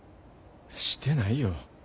してないよ。